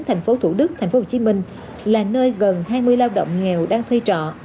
tp thủ đức tp hcm là nơi gần hai mươi lao động nghèo đang thuê trọ